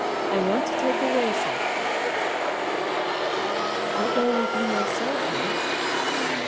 I want to take away something.' 'I'll go with you myself, Hans.'